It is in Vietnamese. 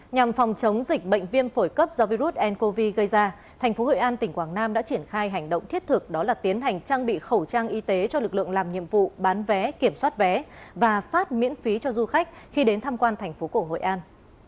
nhằm phòng chống dịch bệnh viêm phổi cấp do virus ncov gây ra thành phố hội an tỉnh quảng nam đã triển khai hành động thiết thực đó là tiến hành trang bị khẩu trang y tế cho lực lượng làm nhiệm vụ bán vé kiểm soát vé và phát miễn phí cho du khách khi đến tham quan thành phố cổ hội an